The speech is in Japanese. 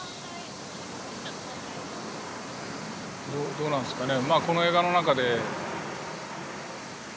どうなんですかね